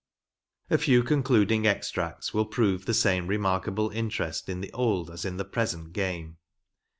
^^ A few concluding extracts will prove the same remarkable interest in the old as in the present game.